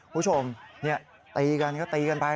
ผู้ชมเนี่ยตีกันก็ตีกันไป